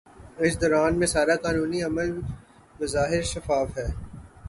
اس دوران میں سارا قانونی عمل بظاہر شفاف ہے۔